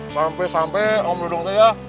sampai sampai om dudung tuh ya